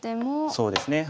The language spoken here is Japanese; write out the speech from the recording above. そうですね。